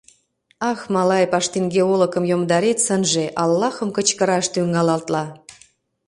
Ах, малай, паштинге олыкым йомдарет сынже, аллахым кычкыраш тӱҥалатла.